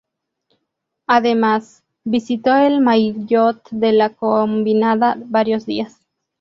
Además, vistió el maillot de la combinada varios días.